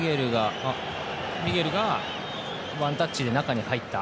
ミゲルがワンタッチで中に入った。